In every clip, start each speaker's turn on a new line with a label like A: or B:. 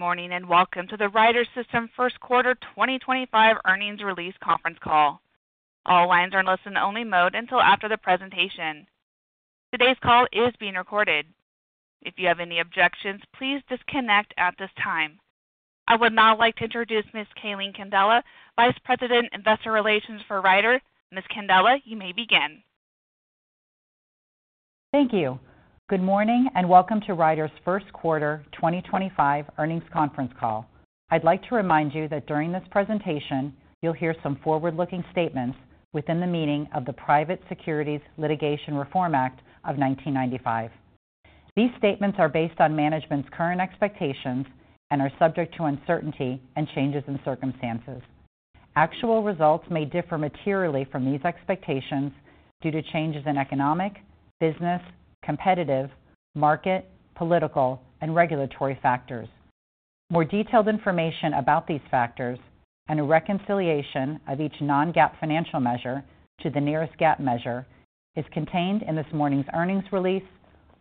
A: Good morning and welcome to the Ryder System first quarter 2025 earnings release conference call. All lines are in listen-only mode until after the presentation. Today's call is being recorded. If you have any objections, please disconnect at this time. I would now like to introduce Ms. Calene Candela, Vice President, Investor Relations for Ryder. Ms. Candela, you may begin.
B: Thank you. Good morning and welcome to Ryder's first quarter 2025 earnings conference call. I'd like to remind you that during this presentation, you'll hear some forward-looking statements within the meaning of the Private Securities Litigation Reform Act of 1995. These statements are based on management's current expectations and are subject to uncertainty and changes in circumstances. Actual results may differ materially from these expectations due to changes in economic, business, competitive, market, political, and regulatory factors. More detailed information about these factors and a reconciliation of each non-GAAP financial measure to the nearest GAAP measure is contained in this morning's earnings release,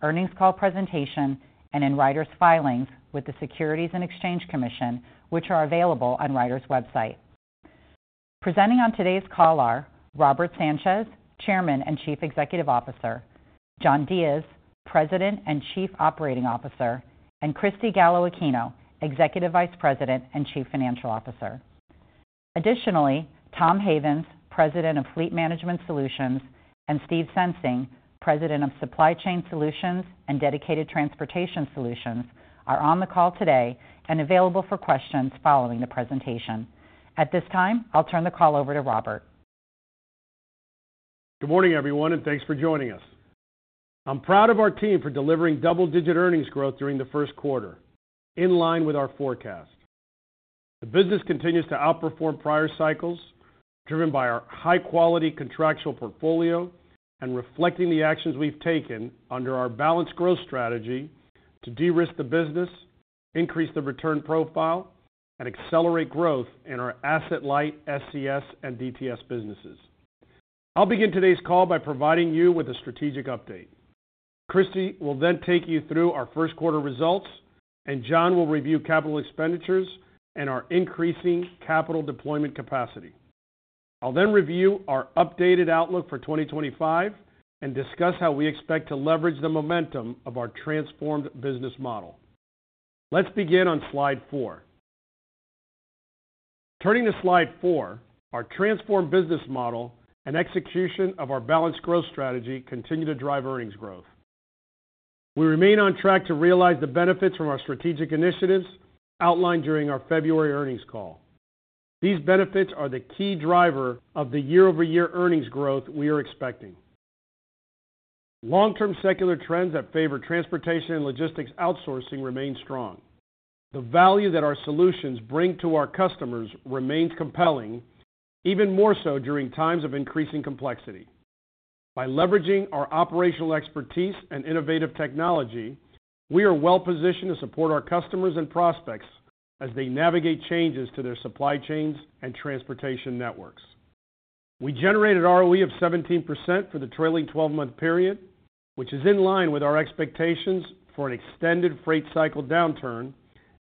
B: earnings call presentation, and in Ryder's filings with the Securities and Exchange Commission, which are available on Ryder's website. Presenting on today's call are Robert Sanchez, Chairman and Chief Executive Officer; John Diez, President and Chief Operating Officer; and Cristy Gallo-Aquino, Executive Vice President and Chief Financial Officer. Additionally, Tom Havens, President of Fleet Management Solutions, and Steve Sensing, President of Supply Chain Solutions and Dedicated Transportation Solutions, are on the call today and available for questions following the presentation. At this time, I'll turn the call over to Robert.
C: Good morning, everyone, and thanks for joining us. I'm proud of our team for delivering double-digit earnings growth during the first quarter, in line with our forecast. The business continues to outperform prior cycles, driven by our high-quality contractual portfolio and reflecting the actions we've taken under our balanced growth strategy to de-risk the business, increase the return profile, and accelerate growth in our asset-light SCS and DTS businesses. I'll begin today's call by providing you with a strategic update. Christy will then take you through our first quarter results, and John will review capital expenditures and our increasing capital deployment capacity. I'll then review our updated outlook for 2025 and discuss how we expect to leverage the momentum of our transformed business model. Let's begin on slide four. Turning to slide four, our transformed business model and execution of our balanced growth strategy continue to drive earnings growth. We remain on track to realize the benefits from our strategic initiatives outlined during our February earnings call. These benefits are the key driver of the year-over-year earnings growth we are expecting. Long-term secular trends that favor transportation and logistics outsourcing remain strong. The value that our solutions bring to our customers remains compelling, even more so during times of increasing complexity. By leveraging our operational expertise and innovative technology, we are well-positioned to support our customers and prospects as they navigate changes to their supply chains and transportation networks. We generated ROE of 17% for the trailing 12-month period, which is in line with our expectations for an extended freight cycle downturn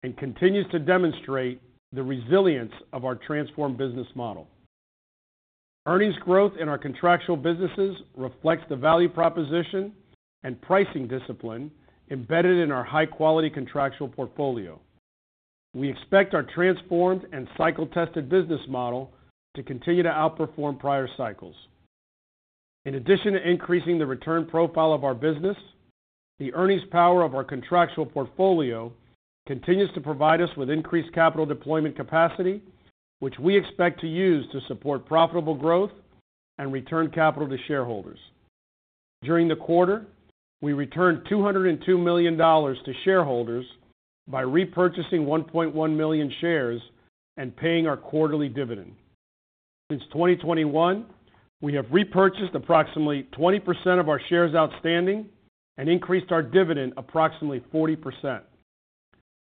C: and continues to demonstrate the resilience of our transformed business model. Earnings growth in our contractual businesses reflects the value proposition and pricing discipline embedded in our high-quality contractual portfolio. We expect our transformed and cycle-tested business model to continue to outperform prior cycles. In addition to increasing the return profile of our business, the earnings power of our contractual portfolio continues to provide us with increased capital deployment capacity, which we expect to use to support profitable growth and return capital to shareholders. During the quarter, we returned $202 million to shareholders by repurchasing 1.1 million shares and paying our quarterly dividend. Since 2021, we have repurchased approximately 20% of our shares outstanding and increased our dividend approximately 40%.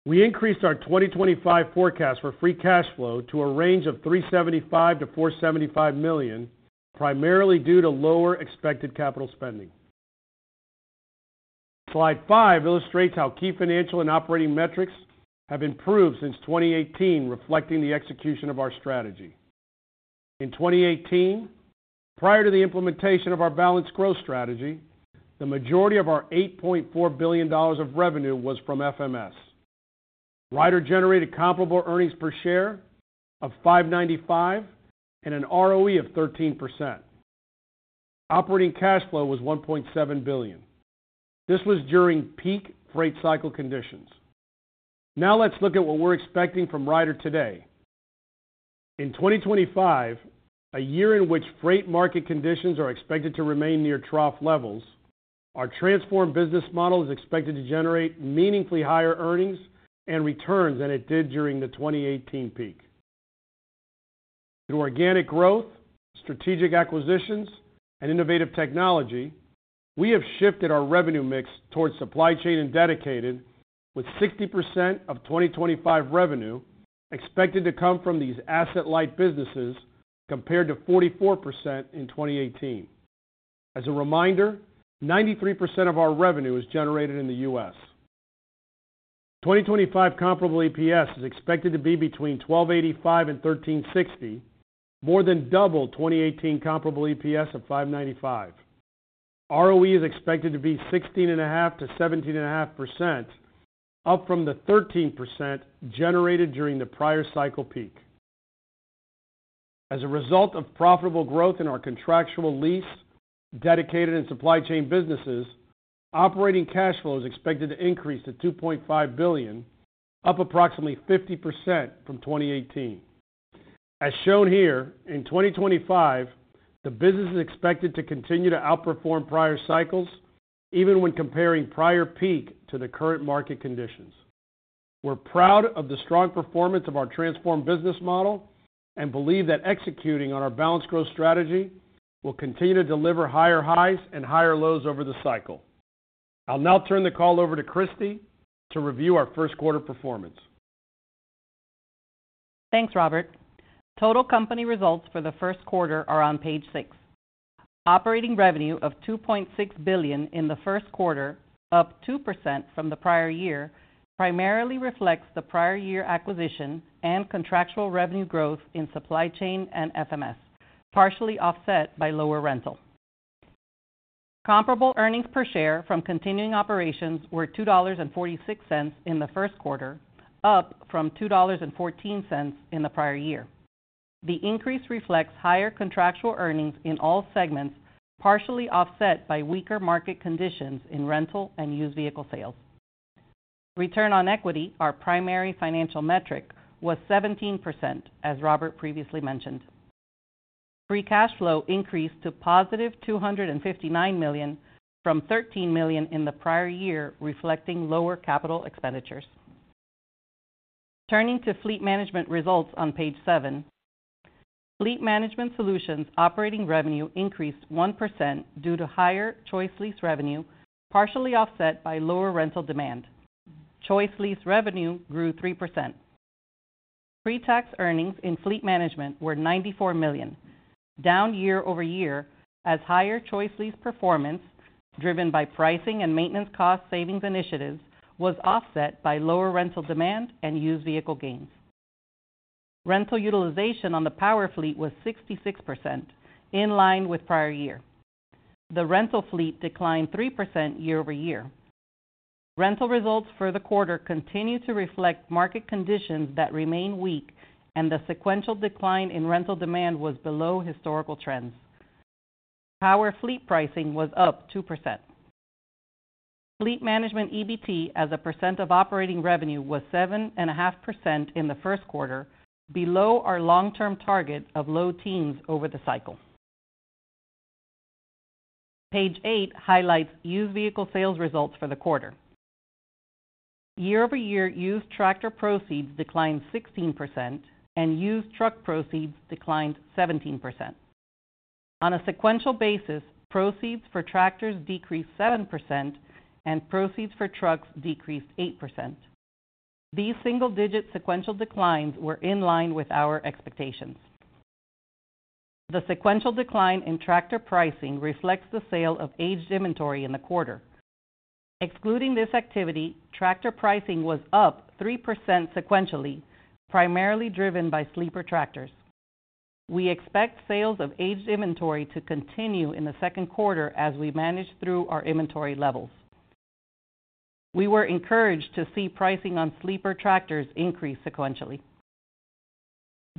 C: We increased our 2025 forecast for free cash flow to a range of $375 million-$475 million, primarily due to lower expected capital spending. Slide five illustrates how key financial and operating metrics have improved since 2018, reflecting the execution of our strategy. In 2018, prior to the implementation of our balanced growth strategy, the majority of our $8.4 billion of revenue was from FMS. Ryder generated comparable earnings per share of $5.95 and an ROE of 13%. Operating cash flow was $1.7 billion. This was during peak freight cycle conditions. Now let's look at what we're expecting from Ryder today. In 2025, a year in which freight market conditions are expected to remain near trough levels, our transformed business model is expected to generate meaningfully higher earnings and returns than it did during the 2018 peak. Through organic growth, strategic acquisitions, and innovative technology, we have shifted our revenue mix towards supply chain and dedicated, with 60% of 2025 revenue expected to come from these asset-light businesses compared to 44% in 2018. As a reminder, 93% of our revenue is generated in the U.S. 2025 comparable EPS is expected to be between $12.85 and $13.60, more than double 2018 comparable EPS of $5.95. ROE is expected to be 16.5%-17.5%, up from the 13% generated during the prior cycle peak. As a result of profitable growth in our contractual lease, dedicated, and supply chain businesses, operating cash flow is expected to increase to $2.5 billion, up approximately 50% from 2018. As shown here, in 2025, the business is expected to continue to outperform prior cycles, even when comparing prior peak to the current market conditions. We're proud of the strong performance of our transformed business model and believe that executing on our balanced growth strategy will continue to deliver higher highs and higher lows over the cycle. I'll now turn the call over to Christy to review our first quarter performance.
D: Thanks, Robert. Total company results for the first quarter are on page six. Operating revenue of $2.6 billion in the first quarter, up 2% from the prior year, primarily reflects the prior year acquisition and contractual revenue growth in supply chain and FMS, partially offset by lower rental. Comparable earnings per share from continuing operations were $2.46 in the first quarter, up from $2.14 in the prior year. The increase reflects higher contractual earnings in all segments, partially offset by weaker market conditions in rental and used vehicle sales. Return on equity, our primary financial metric, was 17%, as Robert previously mentioned. Free cash flow increased to +$259 million from $13 million in the prior year, reflecting lower capital expenditures. Turning to fleet management results on page seven, Fleet Management Solutions operating revenue increased 1% due to higher ChoiceLease revenue, partially offset by lower rental demand. ChoiceLease revenue grew 3%. Pre-tax earnings in Fleet Management were $94 million, down year-over-year, as higher ChoiceLease performance, driven by pricing and maintenance cost savings initiatives, was offset by lower rental demand and used vehicle gains. Rental utilization on the power fleet was 66%, in line with prior year. The rental fleet declined 3% year-over-year. Rental results for the quarter continue to reflect market conditions that remain weak, and the sequential decline in rental demand was below historical trends. Power fleet pricing was up 2%. Fleet Management EBT, as a percent of operating revenue, was 7.5% in the first quarter, below our long-term target of low teens over the cycle. Page eight highlights used vehicle sales results for the quarter. Year-over-year used tractor proceeds declined 16%, and used truck proceeds declined 17%. On a sequential basis, proceeds for tractors decreased 7%, and proceeds for trucks decreased 8%. These single-digit sequential declines were in line with our expectations. The sequential decline in tractor pricing reflects the sale of aged inventory in the quarter. Excluding this activity, tractor pricing was up 3% sequentially, primarily driven by sleeper tractors. We expect sales of aged inventory to continue in the second quarter as we manage through our inventory levels. We were encouraged to see pricing on sleeper tractors increase sequentially.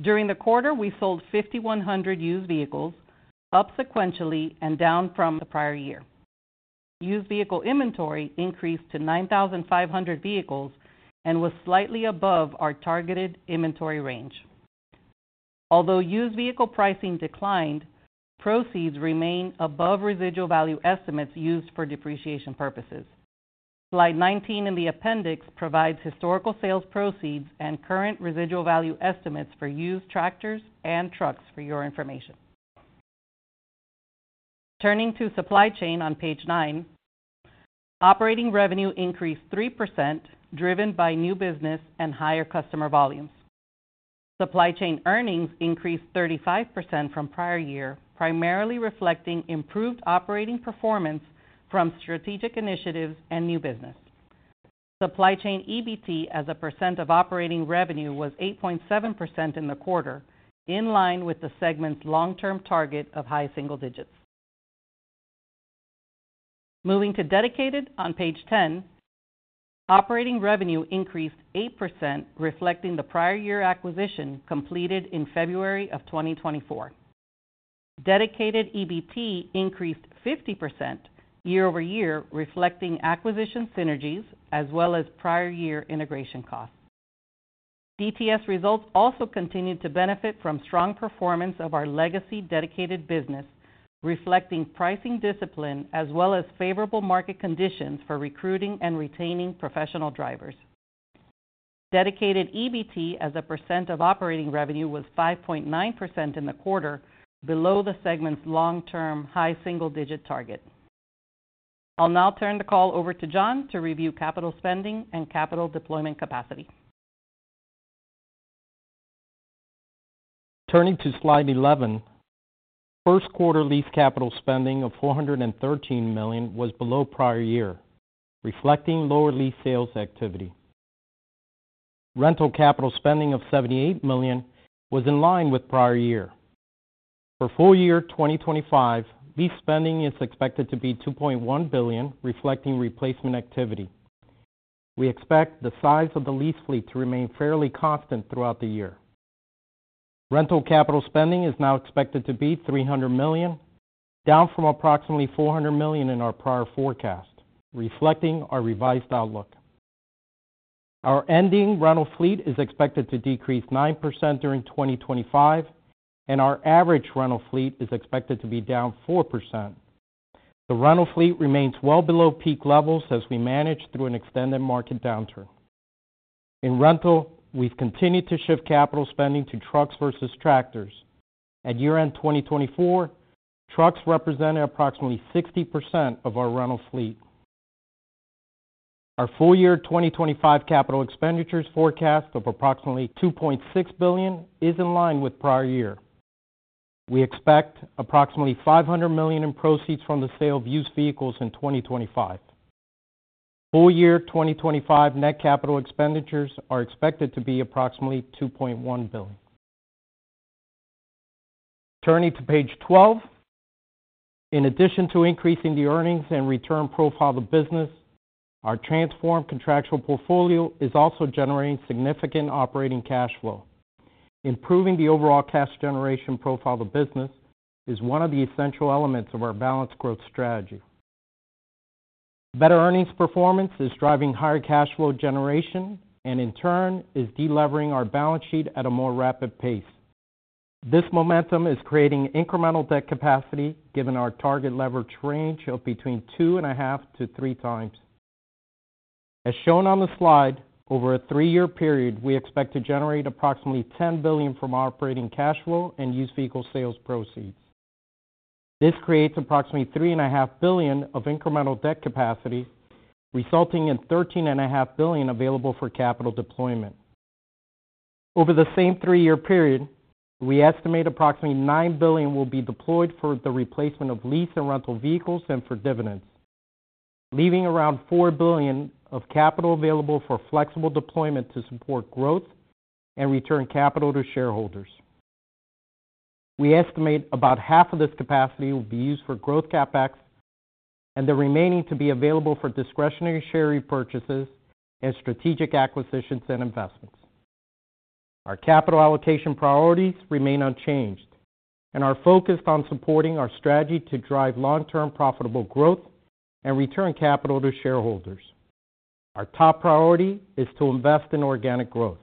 D: During the quarter, we sold 5,100 used vehicles, up sequentially and down from the prior year. Used vehicle inventory increased to 9,500 vehicles and was slightly above our targeted inventory range. Although used vehicle pricing declined, proceeds remain above residual value estimates used for depreciation purposes. Slide 19 in the appendix provides historical sales proceeds and current residual value estimates for used tractors and trucks for your information. Turning to supply chain on page nine, operating revenue increased 3%, driven by new business and higher customer volumes. Supply chain earnings increased 35% from prior year, primarily reflecting improved operating performance from strategic initiatives and new business. Supply chain EBT, as a percent of operating revenue, was 8.7% in the quarter, in line with the segment's long-term target of high single digits. Moving to dedicated on page ten, operating revenue increased 8%, reflecting the prior year acquisition completed in February of 2024. Dedicated EBT increased 50% year-over-year, reflecting acquisition synergies as well as prior year integration costs. DTS results also continued to benefit from strong performance of our legacy dedicated business, reflecting pricing discipline as well as favorable market conditions for recruiting and retaining professional drivers. Dedicated EBT, as a percent of operating revenue, was 5.9% in the quarter, below the segment's long-term high single-digit target. I'll now turn the call over to John to review capital spending and capital deployment capacity.
E: Turning to slide 11, first quarter lease capital spending of $413 million was below prior year, reflecting lower lease sales activity. Rental capital spending of $78 million was in line with prior year. For full year 2025, lease spending is expected to be $2.1 billion, reflecting replacement activity. We expect the size of the lease fleet to remain fairly constant throughout the year. Rental capital spending is now expected to be $300 million, down from approximately $400 million in our prior forecast, reflecting our revised outlook. Our ending rental fleet is expected to decrease 9% during 2025, and our average rental fleet is expected to be down 4%. The rental fleet remains well below peak levels as we manage through an extended market downturn. In rental, we have continued to shift capital spending to trucks versus tractors. At year-end 2024, trucks represented approximately 60% of our rental fleet. Our full year 2025 capital expenditures forecast of approximately $2.6 billion is in line with prior year. We expect approximately $500 million in proceeds from the sale of used vehicles in 2025. Full year 2025 net capital expenditures are expected to be approximately $2.1 billion. Turning to page 12, in addition to increasing the earnings and return profile of the business, our transformed contractual portfolio is also generating significant operating cash flow. Improving the overall cash generation profile of the business is one of the essential elements of our balanced growth strategy. Better earnings performance is driving higher cash flow generation and, in turn, is deleveraging our balance sheet at a more rapid pace. This momentum is creating incremental debt capacity, given our target leverage range of between 2.5x-3x. As shown on the slide, over a three-year period, we expect to generate approximately $10 billion from operating cash flow and used vehicle sales proceeds. This creates approximately $3.5 billion of incremental debt capacity, resulting in $13.5 billion available for capital deployment. Over the same three-year period, we estimate approximately $9 billion will be deployed for the replacement of lease and rental vehicles and for dividends, leaving around $4 billion of capital available for flexible deployment to support growth and return capital to shareholders. We estimate about half of this capacity will be used for growth CapEx, and the remaining to be available for discretionary share repurchases and strategic acquisitions and investments. Our capital allocation priorities remain unchanged, and are focused on supporting our strategy to drive long-term profitable growth and return capital to shareholders. Our top priority is to invest in organic growth.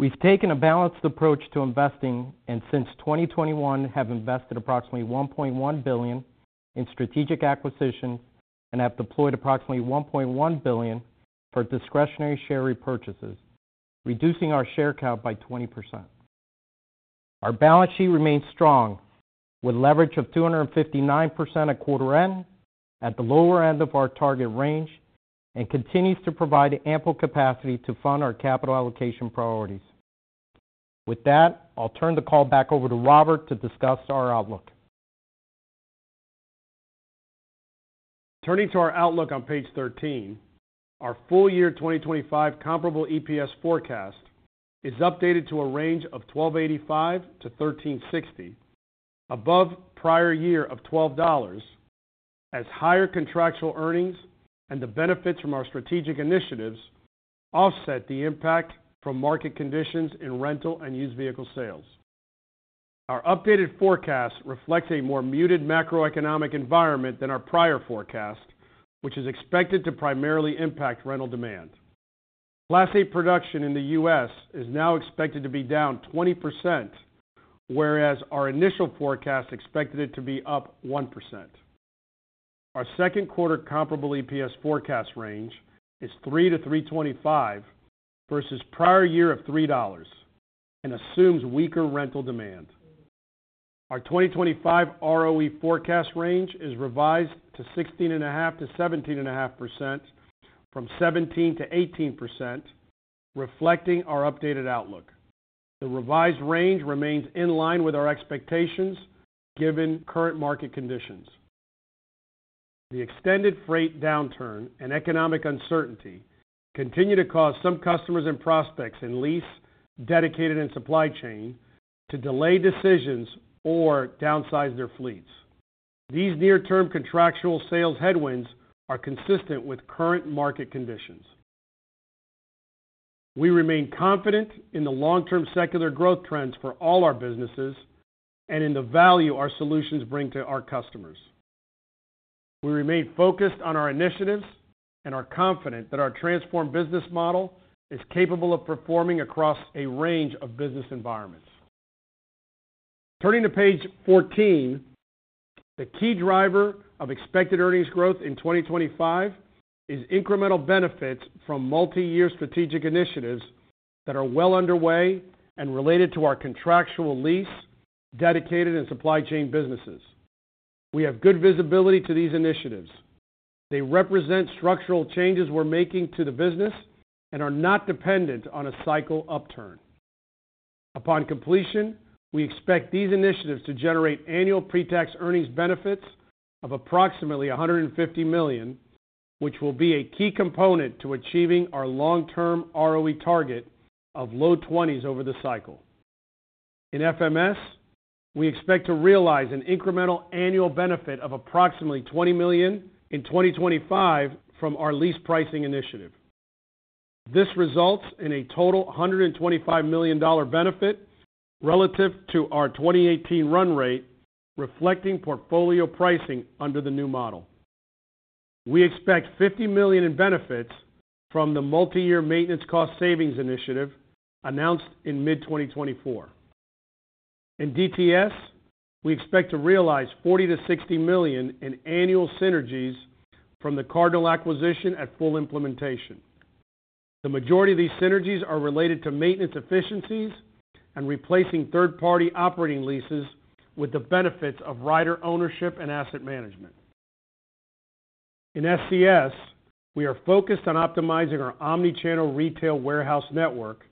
E: We've taken a balanced approach to investing and, since 2021, have invested approximately $1.1 billion in strategic acquisitions and have deployed approximately $1.1 billion for discretionary share repurchases, reducing our share count by 20%. Our balance sheet remains strong, with leverage of 259% at quarter end, at the lower end of our target range, and continues to provide ample capacity to fund our capital allocation priorities. With that, I'll turn the call back over to Robert to discuss our outlook.
C: Turning to our outlook on page 13, our full year 2025 comparable EPS forecast is updated to a range of $12.85-$13.60, above prior year of $12, as higher contractual earnings and the benefits from our strategic initiatives offset the impact from market conditions in rental and used vehicle sales. Our updated forecast reflects a more muted macroeconomic environment than our prior forecast, which is expected to primarily impact rental demand. Class 8 production in the U.S. is now expected to be down 20%, whereas our initial forecast expected it to be up 1%. Our second quarter comparable EPS forecast range is $3-$3.25 versus prior year of $3 and assumes weaker rental demand. Our 2025 ROE forecast range is revised to 16.5%-17.5% from 17%-18%, reflecting our updated outlook. The revised range remains in line with our expectations, given current market conditions. The extended freight downturn and economic uncertainty continue to cause some customers and prospects in lease, dedicated, and supply chain to delay decisions or downsize their fleets. These near-term contractual sales headwinds are consistent with current market conditions. We remain confident in the long-term secular growth trends for all our businesses and in the value our solutions bring to our customers. We remain focused on our initiatives and are confident that our transformed business model is capable of performing across a range of business environments. Turning to page 14, the key driver of expected earnings growth in 2025 is incremental benefits from multi-year strategic initiatives that are well underway and related to our contractual lease, dedicated, and supply chain businesses. We have good visibility to these initiatives. They represent structural changes we're making to the business and are not dependent on a cycle upturn. Upon completion, we expect these initiatives to generate annual pre-tax earnings benefits of approximately $150 million, which will be a key component to achieving our long-term ROE target of low 20s over the cycle. In FMS, we expect to realize an incremental annual benefit of approximately $20 million in 2025 from our lease pricing initiative. This results in a total $125 million benefit relative to our 2018 run rate, reflecting portfolio pricing under the new model. We expect $50 million in benefits from the multi-year maintenance cost savings initiative announced in mid-2024. In DTS, we expect to realize $40-$60 million in annual synergies from the Cardinal acquisition at full implementation. The majority of these synergies are related to maintenance efficiencies and replacing third-party operating leases with the benefits of Ryder ownership and asset management. In SCS, we are focused on optimizing our omnichannel retail warehouse network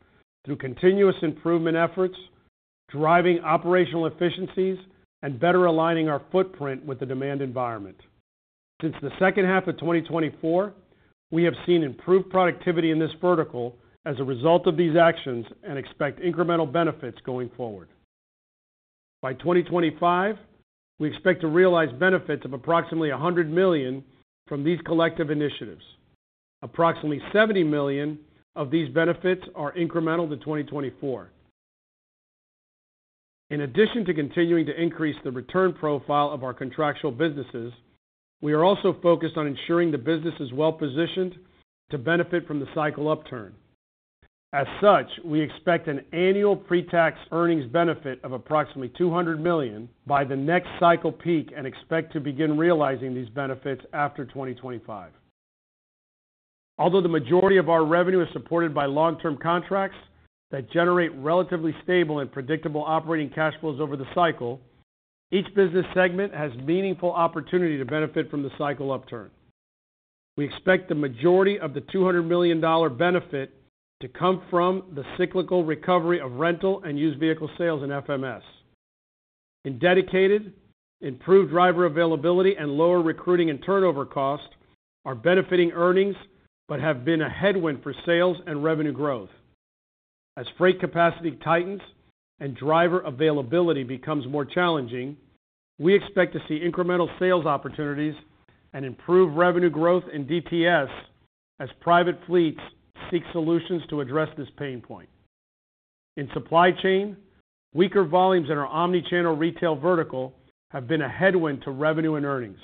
C: through continuous improvement efforts, driving operational efficiencies, and better aligning our footprint with the demand environment. Since the second half of 2024, we have seen improved productivity in this vertical as a result of these actions and expect incremental benefits going forward. By 2025, we expect to realize benefits of approximately $100 million from these collective initiatives. Approximately $70 million of these benefits are incremental to 2024. In addition to continuing to increase the return profile of our contractual businesses, we are also focused on ensuring the business is well positioned to benefit from the cycle upturn. As such, we expect an annual pre-tax earnings benefit of approximately $200 million by the next cycle peak and expect to begin realizing these benefits after 2025. Although the majority of our revenue is supported by long-term contracts that generate relatively stable and predictable operating cash flows over the cycle, each business segment has meaningful opportunity to benefit from the cycle upturn. We expect the majority of the $200 million benefit to come from the cyclical recovery of rental and used vehicle sales in FMS. In dedicated, improved driver availability and lower recruiting and turnover cost are benefiting earnings but have been a headwind for sales and revenue growth. As freight capacity tightens and driver availability becomes more challenging, we expect to see incremental sales opportunities and improved revenue growth in DTS as private fleets seek solutions to address this pain point. In supply chain, weaker volumes in our omnichannel retail vertical have been a headwind to revenue and earnings.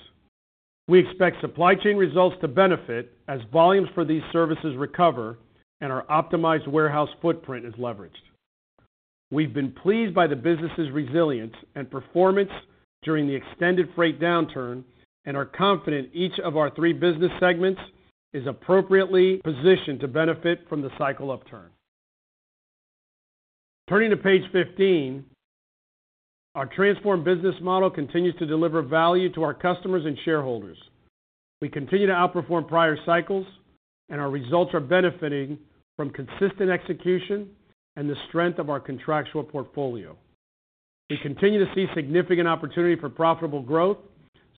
C: We expect supply chain results to benefit as volumes for these services recover and our optimized warehouse footprint is leveraged. We've been pleased by the business's resilience and performance during the extended freight downturn and are confident each of our three business segments is appropriately positioned to benefit from the cycle upturn. Turning to page 15, our transformed business model continues to deliver value to our customers and shareholders. We continue to outperform prior cycles, and our results are benefiting from consistent execution and the strength of our contractual portfolio. We continue to see significant opportunity for profitable growth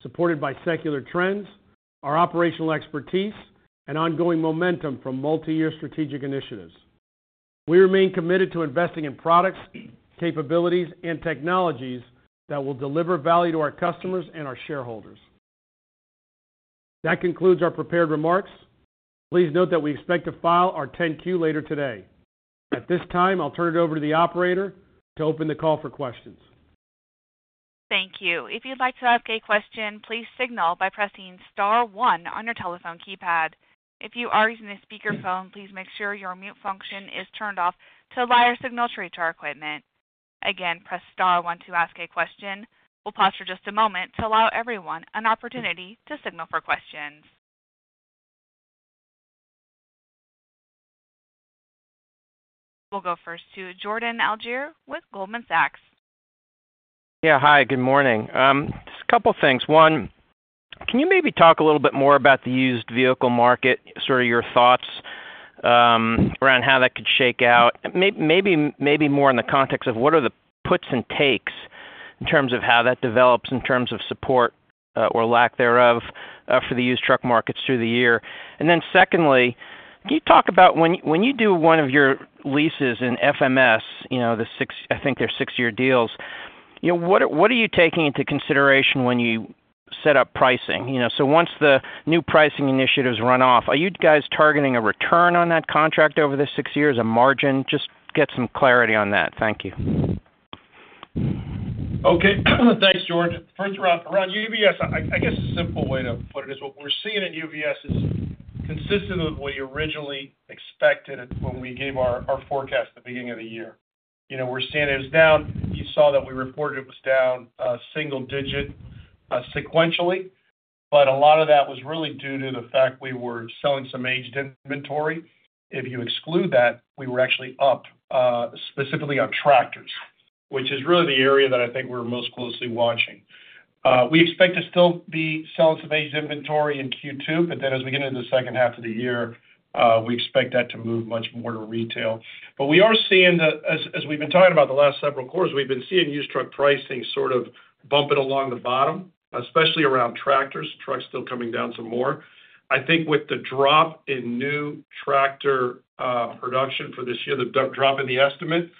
C: supported by secular trends, our operational expertise, and ongoing momentum from multi-year strategic initiatives. We remain committed to investing in products, capabilities, and technologies that will deliver value to our customers and our shareholders. That concludes our prepared remarks. Please note that we expect to file our 10-Q later today. At this time, I'll turn it over to the operator to open the call for questions.
A: Thank you. If you'd like to ask a question, please signal by pressing star one on your telephone keypad. If you are using a speakerphone, please make sure your mute function is turned off to allow your signal to reach our equipment. Again, press star one to ask a question. We'll pause for just a moment to allow everyone an opportunity to signal for questions. We'll go first to Jordan Alliger with Goldman Sachs.
F: Yeah, hi. Good morning. Just a couple of things. One, can you maybe talk a little bit more about the used vehicle market, sort of your thoughts around how that could shake out? Maybe more in the context of what are the puts and takes in terms of how that develops in terms of support or lack thereof for the used truck markets through the year? Secondly, can you talk about when you do one of your leases in FMS, I think they're six-year deals, what are you taking into consideration when you set up pricing? Once the new pricing initiatives run off, are you guys targeting a return on that contract over the six years, a margin? Just get some clarity on that. Thank you.
C: Okay. Thanks, George. First, around UVS, I guess a simple way to put it is what we're seeing in UVS is consistent with what we originally expected when we gave our forecast at the beginning of the year. We're seeing it is down. You saw that we reported it was down a single digit sequentially, but a lot of that was really due to the fact we were selling some aged inventory. If you exclude that, we were actually up specifically on tractors, which is really the area that I think we're most closely watching. We expect to still be selling some aged inventory in Q2, but then as we get into the second half of the year, we expect that to move much more to retail. We are seeing that, as we've been talking about the last several quarters, we've been seeing used truck pricing sort of bumping along the bottom, especially around tractors. Trucks are still coming down some more. I think with the drop in new tractor production for this year, the drop in the estimate,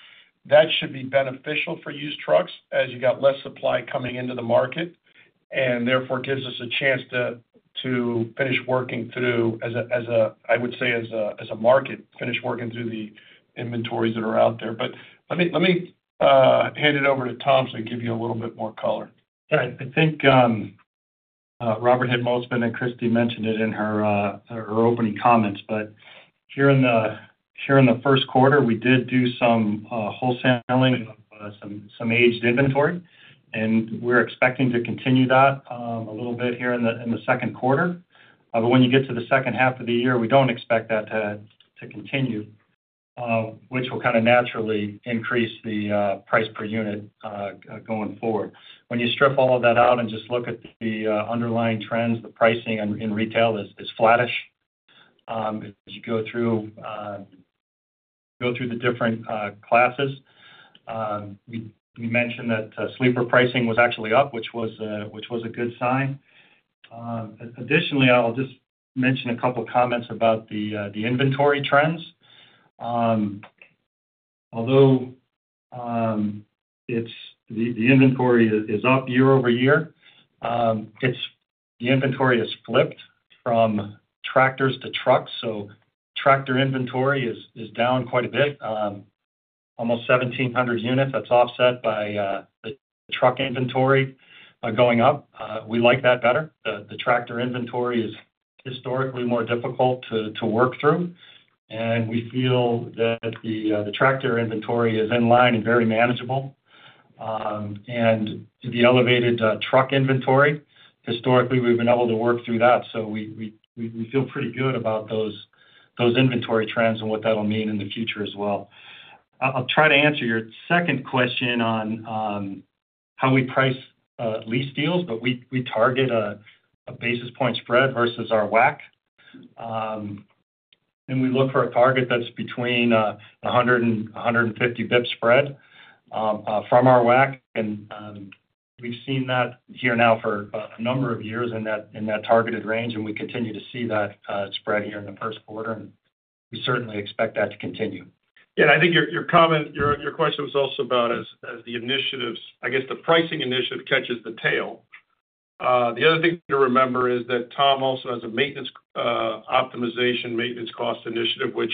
C: that should be beneficial for used trucks as you've got less supply coming into the market and therefore gives us a chance to finish working through, I would say as a market, finish working through the inventories that are out there. Let me hand it over to Tom so I can give you a little bit more color.
G: All right. I think Robert had most been and Christy mentioned it in her opening comments, but here in the first quarter, we did do some wholesaling of some aged inventory, and we're expecting to continue that a little bit here in the second quarter. When you get to the second half of the year, we do not expect that to continue, which will kind of naturally increase the price per unit going forward. When you strip all of that out and just look at the underlying trends, the pricing in retail is flattish as you go through the different classes. We mentioned that sleeper pricing was actually up, which was a good sign. Additionally, I'll just mention a couple of comments about the inventory trends. Although the inventory is up year-over-year, the inventory has flipped from tractors to trucks, so tractor inventory is down quite a bit, almost 1,700 units. That is offset by the truck inventory going up. We like that better. The tractor inventory is historically more difficult to work through, and we feel that the tractor inventory is in line and very manageable. The elevated truck inventory, historically, we have been able to work through that, so we feel pretty good about those inventory trends and what that will mean in the future as well. I'll try to answer your second question on how we price lease deals, but we target a basis point spread versus our WACC, and we look for a target that's between 100 and 150 basis points spread from our WACC, and we've seen that here now for a number of years in that targeted range, and we continue to see that spread here in the first quarter, and we certainly expect that to continue.
C: Yeah, and I think your comment, your question was also about as the initiatives, I guess the pricing initiative catches the tail. The other thing to remember is that Tom also has a maintenance optimization maintenance cost initiative, which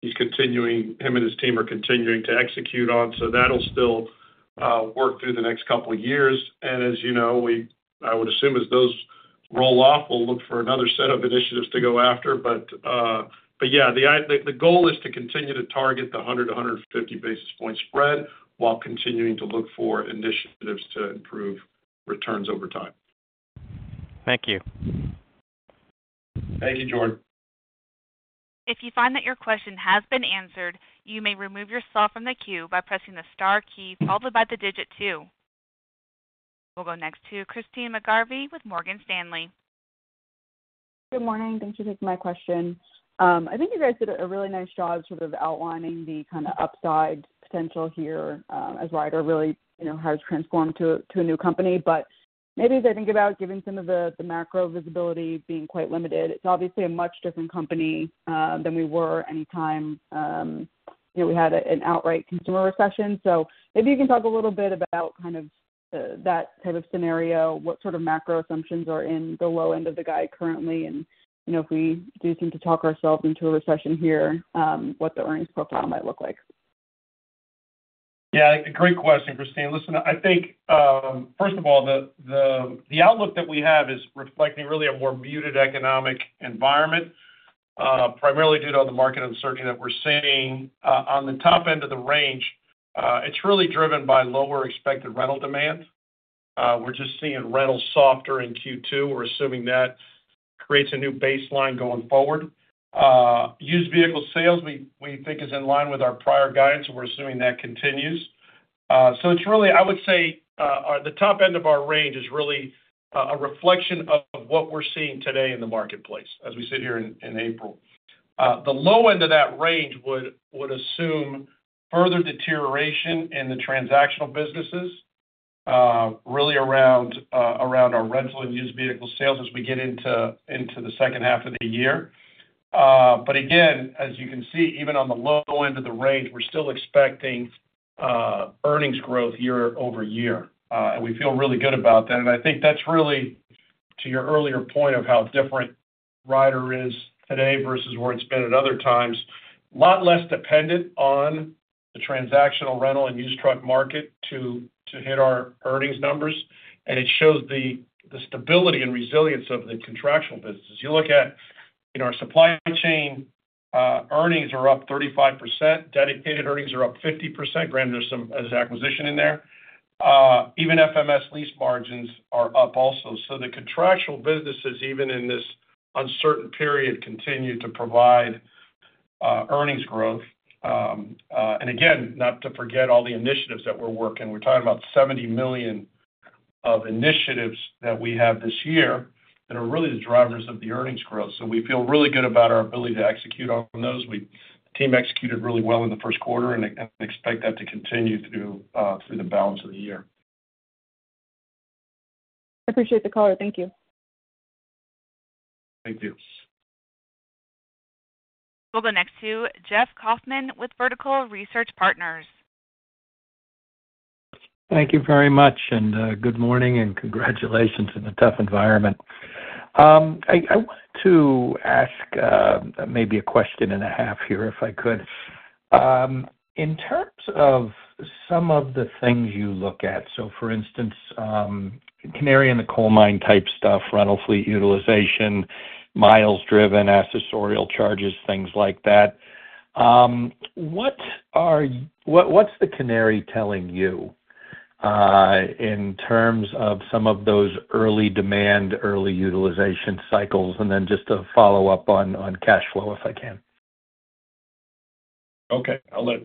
C: he's continuing, him and his team are continuing to execute on, so that'll still work through the next couple of years. As you know, I would assume as those roll off, we'll look for another set of initiatives to go after, but yeah, the goal is to continue to target the 100-150 basis point spread while continuing to look for initiatives to improve returns over time.
F: Thank you.
C: Thank you, Jordan.
A: If you find that your question has been answered, you may remove yourself from the queue by pressing the star key followed by the digit two. We will go next to Christyne McGarvey with Morgan Stanley.
H: Good morning. Thank you for my question. I think you guys did a really nice job sort of outlining the kind of upside potential here as Ryder really has transformed to a new company. Maybe as I think about giving some of the macro visibility, being quite limited, it's obviously a much different company than we were any time we had an outright consumer recession. Maybe you can talk a little bit about kind of that type of scenario, what sort of macro assumptions are in the low end of the guide currently, and if we do seem to talk ourselves into a recession here, what the earnings profile might look like.
C: Yeah, great question, Christine. Listen, I think first of all, the outlook that we have is reflecting really a more muted economic environment, primarily due to the market uncertainty that we're seeing. On the top end of the range, it's really driven by lower expected rental demand. We're just seeing rentals softer in Q2. We're assuming that creates a new baseline going forward. Used vehicle sales, we think, is in line with our prior guidance, and we're assuming that continues. It's really, I would say, the top end of our range is really a reflection of what we're seeing today in the marketplace as we sit here in April. The low end of that range would assume further deterioration in the transactional businesses, really around our rental and used vehicle sales as we get into the second half of the year. As you can see, even on the low end of the range, we're still expecting earnings growth year-over-year, and we feel really good about that. I think that's really, to your earlier point of how different Ryder is today versus where it's been at other times, a lot less dependent on the transactional rental and used truck market to hit our earnings numbers, and it shows the stability and resilience of the contractual businesses. You look at our Supply Chain earnings are up 35%, Dedicated earnings are up 50%, granted there's some acquisition in there. Even FMS lease margins are up also. The contractual businesses, even in this uncertain period, continue to provide earnings growth. Not to forget all the initiatives that we're working. We're talking about $70 million of initiatives that we have this year that are really the drivers of the earnings growth. We feel really good about our ability to execute on those. The team executed really well in the first quarter and expect that to continue through the balance of the year.
H: I appreciate the color. Thank you.
C: Thank you.
A: We'll go next to Jeff Kauffman with Vertical Research Partners.
I: Thank you very much, and good morning, and congratulations in a tough environment. I want to ask maybe a question and a half here if I could. In terms of some of the things you look at, so for instance, canary in the coal mine type stuff, rental fleet utilization, miles driven, accessorial charges, things like that, what's the canary telling you in terms of some of those early demand, early utilization cycles? Just a follow-up on cash flow if I can.
C: Okay. I'll let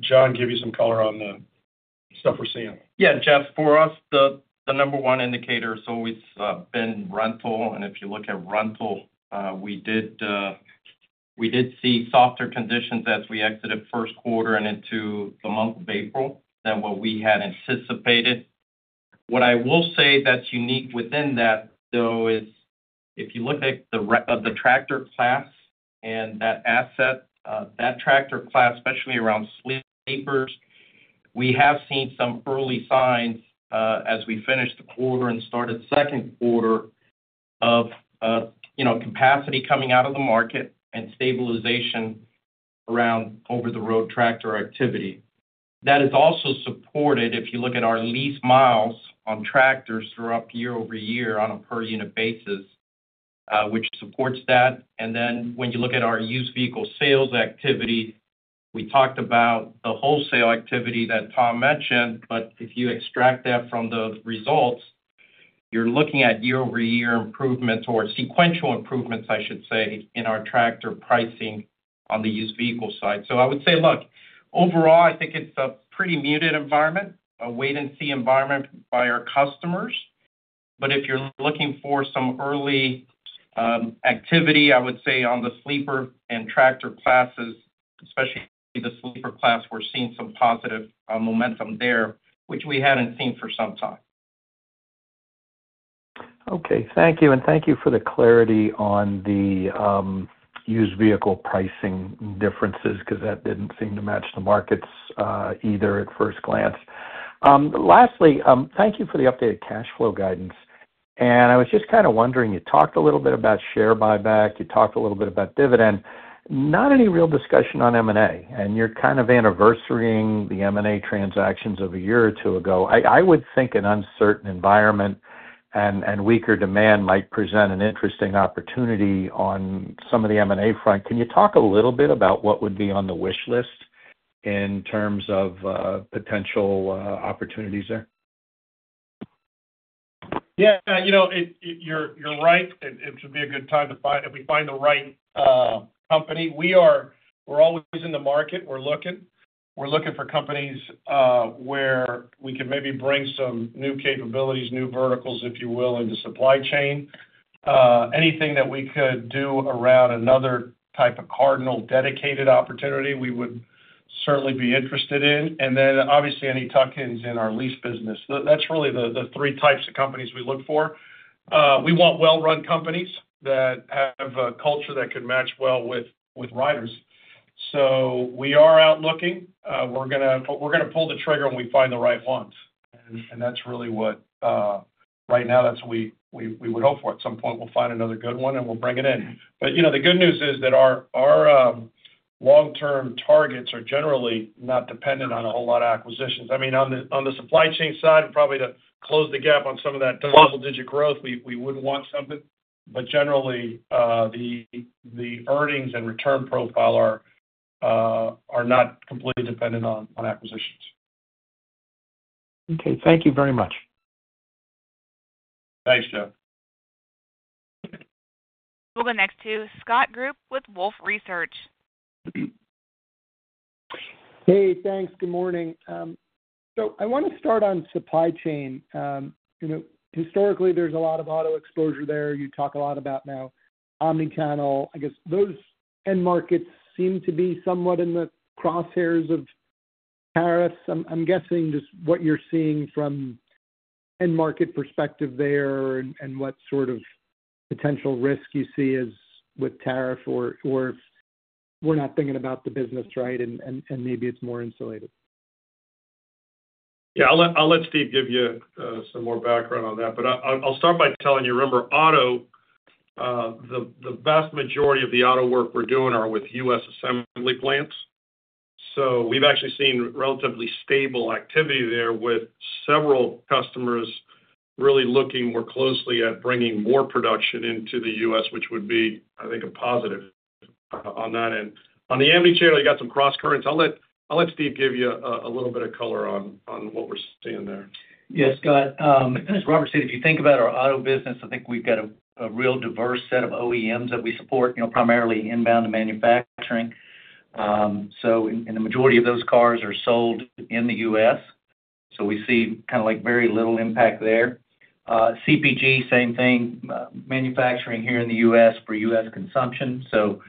C: John give you some color on the stuff we're seeing.
E: Yeah, Jeff, for us, the number one indicator has always been rental, and if you look at rental, we did see softer conditions as we exited first quarter and into the month of April than what we had anticipated. What I will say that's unique within that, though, is if you look at the tractor class and that asset, that tractor class, especially around sleepers, we have seen some early signs as we finished the quarter and started second quarter of capacity coming out of the market and stabilization around over-the-road tractor activity. That is also supported if you look at our lease miles on tractors throughout year-over-year on a per-unit basis, which supports that. When you look at our used vehicle sales activity, we talked about the wholesale activity that Tom mentioned. If you extract that from the results, you're looking at year-over-year improvements or sequential improvements, I should say, in our tractor pricing on the used vehicle side. I would say, look, overall, I think it's a pretty muted environment, a wait-and-see environment by our customers. If you're looking for some early activity, I would say on the sleeper and tractor classes, especially the sleeper class, we're seeing some positive momentum there, which we hadn't seen for some time.
I: Okay. Thank you. Thank you for the clarity on the used vehicle pricing differences because that did not seem to match the markets either at first glance. Lastly, thank you for the updated cash flow guidance. I was just kind of wondering, you talked a little bit about share buyback, you talked a little bit about dividend, not any real discussion on M&A, and you are kind of anniversarying the M&A transactions of a year or two ago. I would think an uncertain environment and weaker demand might present an interesting opportunity on some of the M&A front. Can you talk a little bit about what would be on the wish list in terms of potential opportunities there?
C: Yeah. You're right. It should be a good time to find if we find the right company. We're always in the market. We're looking. We're looking for companies where we can maybe bring some new capabilities, new verticals, if you will, into supply chain. Anything that we could do around another type of Cardinal dedicated opportunity, we would certainly be interested in. Obviously, any tuck-ins in our lease business. That's really the three types of companies we look for. We want well-run companies that have a culture that can match well with Ryder's. We are out looking. We're going to pull the trigger when we find the right ones. That's really what right now, that's what we would hope for. At some point, we'll find another good one, and we'll bring it in. The good news is that our long-term targets are generally not dependent on a whole lot of acquisitions. I mean, on the supply chain side, probably to close the gap on some of that double-digit growth, we would want something. Generally, the earnings and return profile are not completely dependent on acquisitions.
I: Okay. Thank you very much.
C: Thanks, Jeff.
A: We'll go next to Scott Group with Wolfe Research.
J: Hey, thanks. Good morning. I want to start on supply chain. Historically, there's a lot of auto exposure there. You talk a lot about now Omnichannel. I guess those end markets seem to be somewhat in the crosshairs of tariffs. I'm guessing just what you're seeing from end market perspective there and what sort of potential risk you see with tariff or if we're not thinking about the business right and maybe it's more insulated.
C: Yeah. I'll let Steve give you some more background on that. I'll start by telling you, remember, auto, the vast majority of the auto work we're doing are with U.S. assembly plants. We've actually seen relatively stable activity there with several customers really looking more closely at bringing more production into the U.S., which would be, I think, a positive on that end. On the omnichannel, you got some cross currents. I'll let Steve give you a little bit of color on what we're seeing there.
K: Yes, Scott. As Robert said, if you think about our auto business, I think we've got a real diverse set of OEMs that we support, primarily inbound and manufacturing. In the majority of those, cars are sold in the U.S., so we see kind of like very little impact there. CPG, same thing, manufacturing here in the U.S. for U.S. consumption, so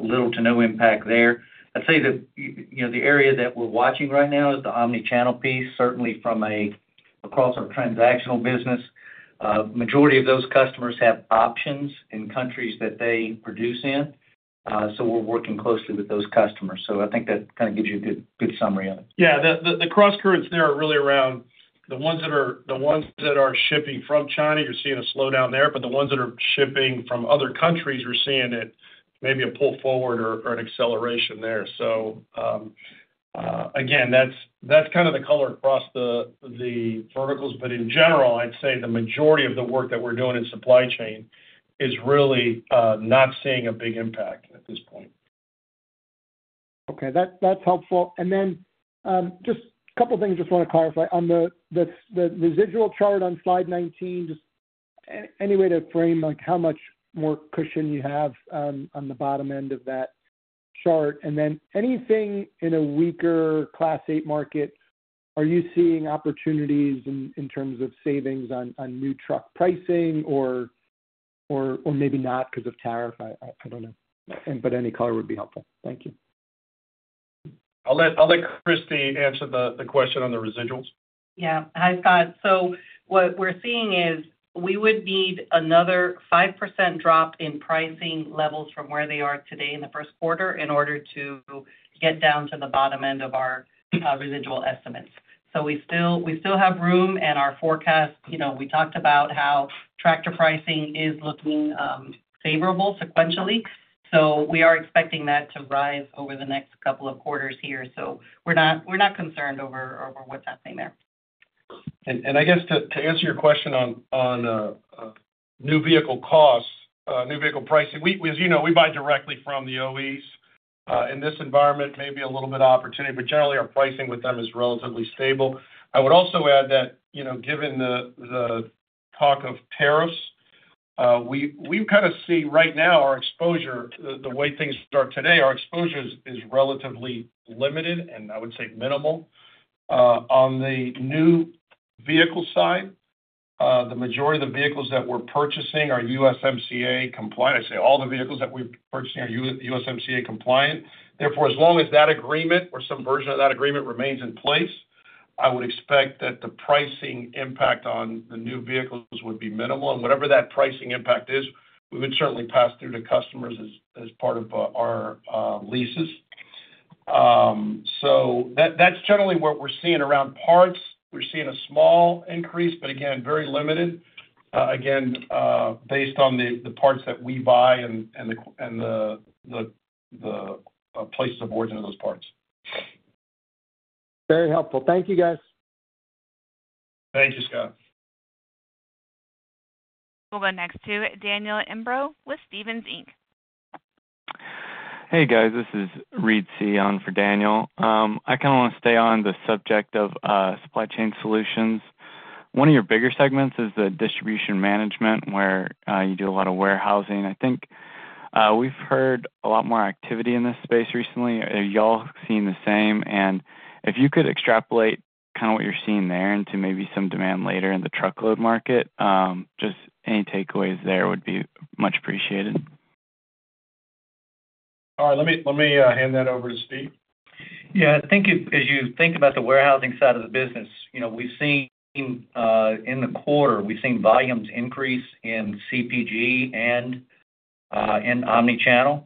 K: little to no impact there. I'd say that the area that we're watching right now is the omnichannel piece, certainly from across our transactional business. The majority of those customers have options in countries that they produce in, so we're working closely with those customers. I think that kind of gives you a good summary of it.
C: Yeah. The cross currents there are really around the ones that are shipping from China. You're seeing a slowdown there, but the ones that are shipping from other countries, we're seeing maybe a pull forward or an acceleration there. That's kind of the color across the verticals. In general, I'd say the majority of the work that we're doing in supply chain is really not seeing a big impact at this point.
J: Okay. That's helpful. Just a couple of things I want to clarify. On the residual chart on slide 19, is there any way to frame how much more cushion you have on the bottom end of that chart? Anything in a weaker Class 8 market, are you seeing opportunities in terms of savings on new truck pricing or maybe not because of tariff? I do not know. Any color would be helpful. Thank you.
C: I'll let Christy answer the question on the residuals.
D: Yeah. Hi, Scott. What we're seeing is we would need another 5% drop in pricing levels from where they are today in the first quarter in order to get down to the bottom end of our residual estimates. We still have room in our forecast. We talked about how tractor pricing is looking favorable sequentially. We are expecting that to rise over the next couple of quarters here. We are not concerned over what's happening there.
C: To answer your question on new vehicle costs, new vehicle pricing, as you know, we buy directly from the OEs. In this environment, maybe a little bit of opportunity, but generally, our pricing with them is relatively stable. I would also add that given the talk of tariffs, we kind of see right now our exposure, the way things start today, our exposure is relatively limited and I would say minimal. On the new vehicle side, the majority of the vehicles that we're purchasing are USMCA compliant. I say all the vehicles that we're purchasing are USMCA compliant. Therefore, as long as that agreement or some version of that agreement remains in place, I would expect that the pricing impact on the new vehicles would be minimal. Whatever that pricing impact is, we would certainly pass through to customers as part of our leases. That is generally what we are seeing around parts. We are seeing a small increase, but again, very limited, again, based on the parts that we buy and the places of origin of those parts.
J: Very helpful. Thank you, guys.
C: Thank you, Scott.
A: We'll go next to Daniel Imbro with Stephens Inc.
L: Hey, guys. This is Reed Seay for Daniel. I kind of want to stay on the subject of supply chain solutions. One of your bigger segments is the distribution management where you do a lot of warehousing. I think we've heard a lot more activity in this space recently. Are y'all seeing the same? If you could extrapolate kind of what you're seeing there into maybe some demand later in the truckload market, just any takeaways there would be much appreciated.
C: All right. Let me hand that over to Steve.
K: Yeah. I think as you think about the warehousing side of the business, we've seen in the quarter, we've seen volumes increase in CPG and omnichannel,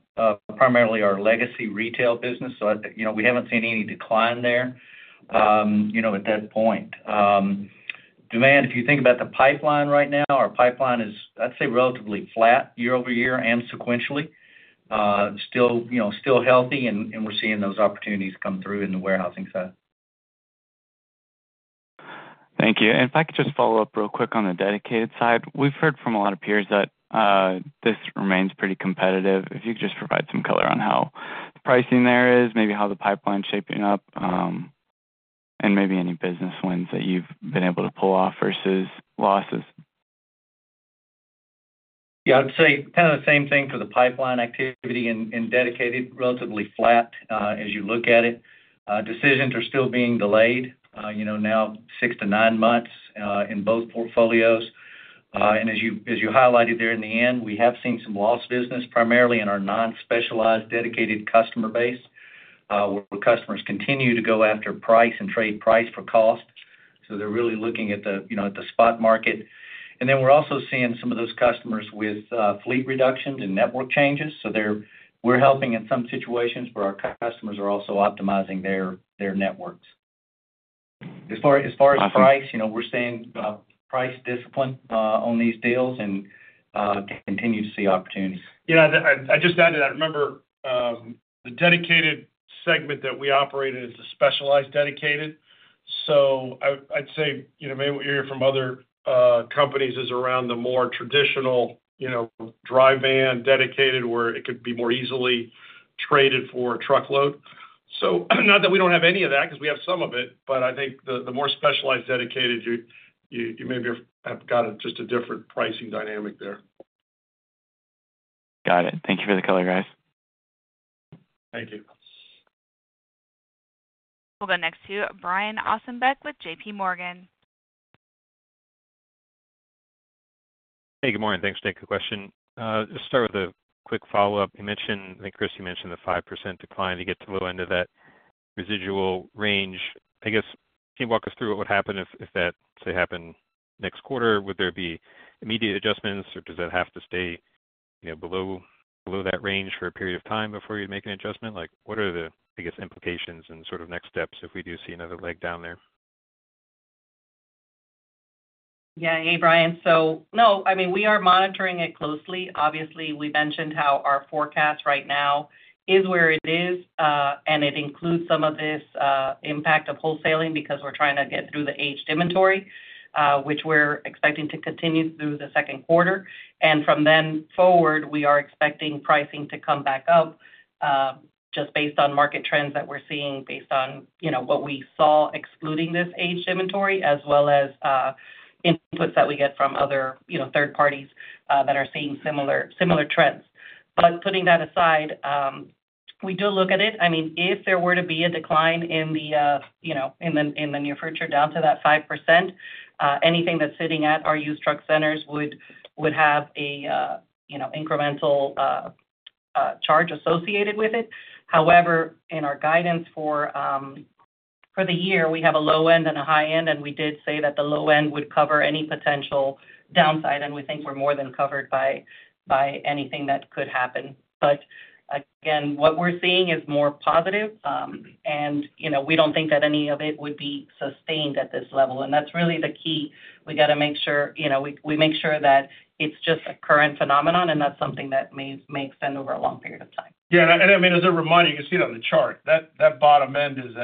K: primarily our legacy retail business. We haven't seen any decline there at that point. Demand, if you think about the pipeline right now, our pipeline is, I'd say, relatively flat year-over-year and sequentially, still healthy, and we're seeing those opportunities come through in the warehousing side.
L: Thank you. If I could just follow up real quick on the dedicated side, we've heard from a lot of peers that this remains pretty competitive. If you could just provide some color on how pricing there is, maybe how the pipeline's shaping up, and maybe any business wins that you've been able to pull off versus losses.
K: Yeah. I'd say kind of the same thing for the pipeline activity in dedicated, relatively flat as you look at it. Decisions are still being delayed, now six to nine months in both portfolios. As you highlighted there in the end, we have seen some loss business, primarily in our non-specialized dedicated customer base where customers continue to go after price and trade price for cost. They are really looking at the spot market. We are also seeing some of those customers with fleet reductions and network changes. We are helping in some situations where our customers are also optimizing their networks. As far as price, we are seeing price discipline on these deals and continue to see opportunities.
C: Yeah. I just added that. Remember, the dedicated segment that we operate in is a specialized dedicated. I'd say maybe what you hear from other companies is around the more traditional dry van dedicated where it could be more easily traded for a truckload. Not that we do not have any of that because we have some of it, but I think the more specialized dedicated, you maybe have got just a different pricing dynamic there.
L: Got it. Thank you for the color, guys.
C: Thank you.
A: We'll go next to Brian Ossenbeck with JP Morgan.
M: Hey, good morning. Thanks for taking the question. Let's start with a quick follow-up. I think Christy mentioned the 5% decline to get to the low end of that residual range. I guess can you walk us through what would happen if that, say, happened next quarter? Would there be immediate adjustments, or does that have to stay below that range for a period of time before you'd make an adjustment? What are the, I guess, implications and sort of next steps if we do see another leg down there?
D: Yeah. Hey, Brian. No, I mean, we are monitoring it closely. Obviously, we mentioned how our forecast right now is where it is, and it includes some of this impact of wholesaling because we're trying to get through the aged inventory, which we're expecting to continue through the second quarter. From then forward, we are expecting pricing to come back up just based on market trends that we're seeing based on what we saw excluding this aged inventory, as well as inputs that we get from other third parties that are seeing similar trends. Putting that aside, we do look at it. I mean, if there were to be a decline in the near future down to that 5%, anything that's sitting at our used truck centers would have an incremental charge associated with it. However, in our guidance for the year, we have a low end and a high end, and we did say that the low end would cover any potential downside, and we think we're more than covered by anything that could happen. Again, what we're seeing is more positive, and we don't think that any of it would be sustained at this level. That is really the key. We have to make sure we make sure that it's just a current phenomenon, and that is something that may extend over a long period of time.
C: Yeah. I mean, as a reminder, you can see it on the chart. That bottom end is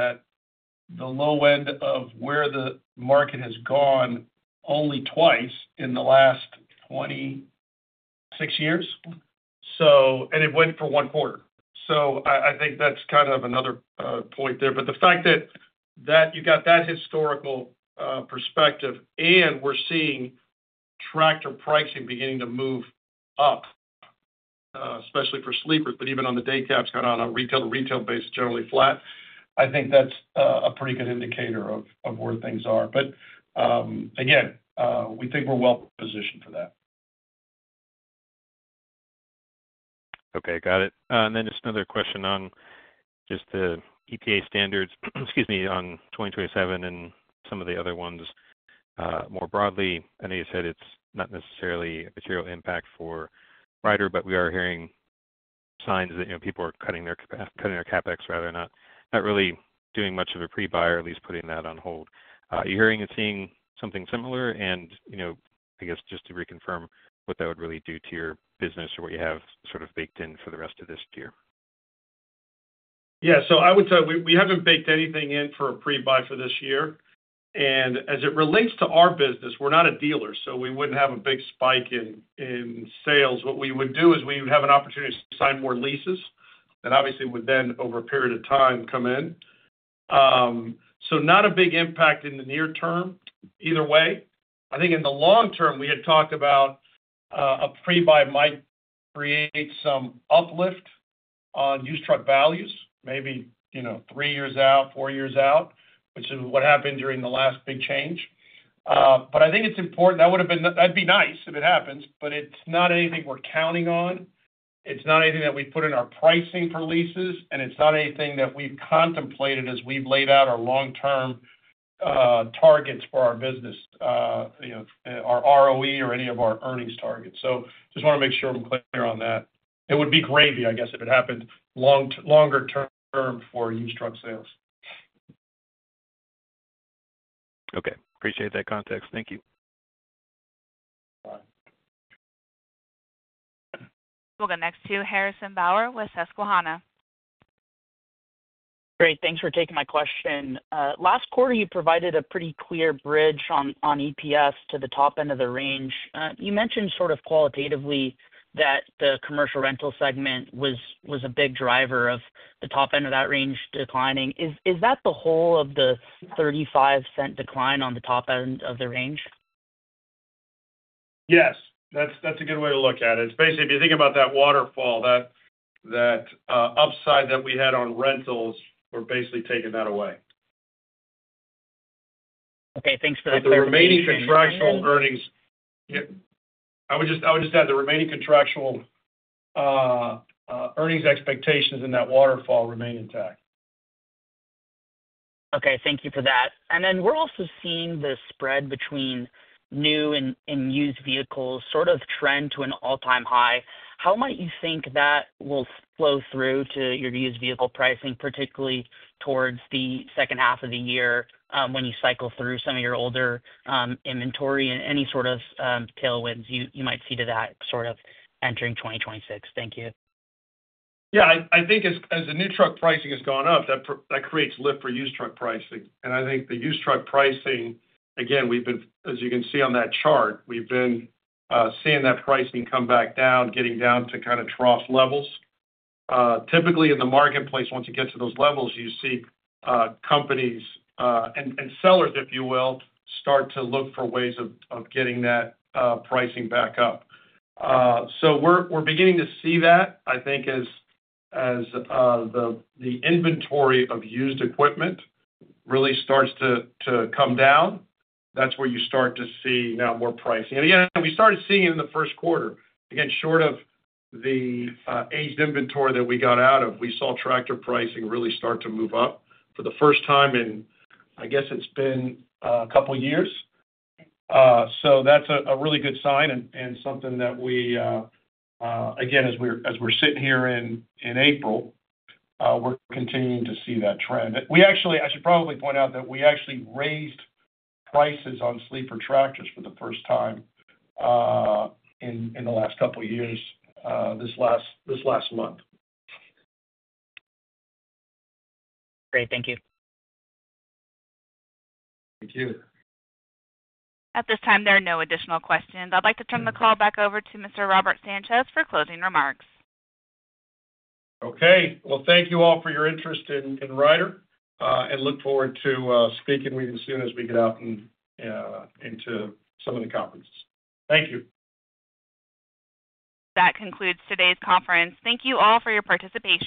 C: at the low end of where the market has gone only twice in the last 26 years, and it went for one quarter. I think that's kind of another point there. The fact that you got that historical perspective and we're seeing tractor pricing beginning to move up, especially for sleepers, but even on the day cabs, kind of on a retail-to-retail base, generally flat, I think that's a pretty good indicator of where things are. Again, we think we're well positioned for that.
M: Okay. Got it. Just another question on the EPA standards, excuse me, on 2027 and some of the other ones more broadly. I know you said it's not necessarily a material impact for Ryder, but we are hearing signs that people are cutting their CapEx, rather not really doing much of a pre-buy or at least putting that on hold. Are you hearing and seeing something similar? I guess just to reconfirm what that would really do to your business or what you have sort of baked in for the rest of this year?
C: Yeah. I would tell you we have not baked anything in for a pre-buy for this year. As it relates to our business, we are not a dealer, so we would not have a big spike in sales. What we would do is we would have an opportunity to sign more leases that obviously would then, over a period of time, come in. Not a big impact in the near term either way. I think in the long term, we had talked about a pre-buy might create some uplift on used truck values, maybe three years out, four years out, which is what happened during the last big change. I think it is important. That would have been nice if it happens, but it is not anything we are counting on. It's not anything that we've put in our pricing for leases, and it's not anything that we've contemplated as we've laid out our long-term targets for our business, our ROE, or any of our earnings targets. I just want to make sure I'm clear on that. It would be gravy, I guess, if it happened longer term for used truck sales.
M: Okay. Appreciate that context. Thank you.
C: Bye.
A: We'll go next to Harrison Bauer with Susquehanna.
N: Great. Thanks for taking my question. Last quarter, you provided a pretty clear bridge on EPS to the top end of the range. You mentioned sort of qualitatively that the commercial rental segment was a big driver of the top end of that range declining. Is that the whole of the $0.35 decline on the top end of the range?
C: Yes. That's a good way to look at it. It's basically, if you think about that waterfall, that upside that we had on rentals, we're basically taking that away.
N: Okay. Thanks for that clarification.
C: The remaining contractual earnings, I would just add, the remaining contractual earnings expectations in that waterfall remain intact.
N: Okay. Thank you for that. We are also seeing the spread between new and used vehicles sort of trend to an all-time high. How might you think that will flow through to your used vehicle pricing, particularly towards the second half of the year when you cycle through some of your older inventory and any sort of tailwinds you might see to that sort of entering 2026? Thank you.
C: Yeah. I think as the new truck pricing has gone up, that creates lift for used truck pricing. I think the used truck pricing, again, we've been, as you can see on that chart, we've been seeing that pricing come back down, getting down to kind of trough levels. Typically, in the marketplace, once you get to those levels, you see companies and sellers, if you will, start to look for ways of getting that pricing back up. We're beginning to see that. I think as the inventory of used equipment really starts to come down, that's where you start to see now more pricing. Again, we started seeing it in the first quarter. Short of the aged inventory that we got out of, we saw tractor pricing really start to move up for the first time in, I guess, it's been a couple of years. That is a really good sign and something that we, again, as we are sitting here in April, we are continuing to see that trend. I should probably point out that we actually raised prices on sleeper tractors for the first time in the last couple of years this last month.
N: Great. Thank you.
C: Thank you.
A: At this time, there are no additional questions. I'd like to turn the call back over to Mr. Robert Sanchez for closing remarks.
C: Thank you all for your interest in Ryder, and look forward to speaking with you as soon as we get out into some of the conferences. Thank you.
A: That concludes today's conference. Thank you all for your participation.